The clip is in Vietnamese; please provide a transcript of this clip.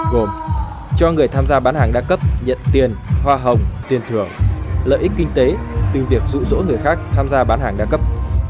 gồm cho người tham gia bán hàng đa cấp nhận tiền hoa hồng tiền thưởng lợi ích kinh tế từ việc rụ rỗ người khác tham gia bán hàng đa cấp